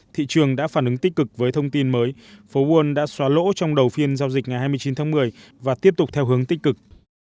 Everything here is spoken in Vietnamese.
thị trường đã phản ứng tích cực với thông tin mới phố won đã xóa lỗ trong đầu phiên giao dịch ngày hai mươi chín tháng một mươi và tiếp tục theo hướng tích cực